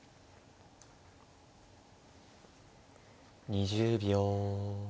２０秒。